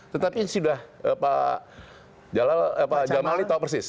tetapi sudah pak jamal ini tahu persis